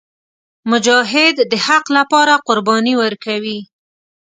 مجاهد د حق لپاره قرباني ورکوي.